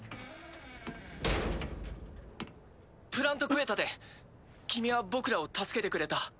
プラント・クエタで君は僕らを助けてくれた。